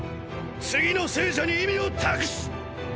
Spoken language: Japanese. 次の生者に意味を託す！！